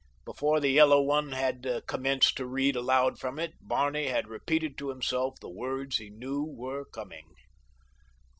Before the yellow one had commenced to read aloud from it Barney had repeated to himself the words he knew were coming.